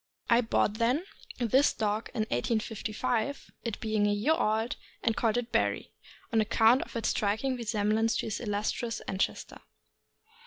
I bought, then, this dog in 1855, it being a year old, and called it Barry, on account of its striking resemblance to its illustrious ancestor.